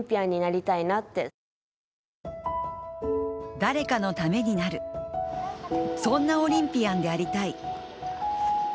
誰かのためになるそんなオリンピアンでありたい。